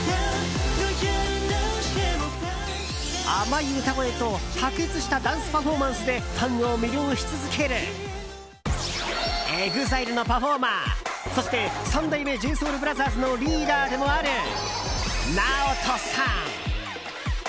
甘い歌声と卓越したダンスパフォーマンスでファンを魅了し続けるＥＸＩＬＥのパフォーマーそして、三代目ＪＳＯＵＬＢＲＯＴＨＥＲＳのリーダーでもあるＮＡＯＴＯさん。